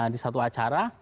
di satu acara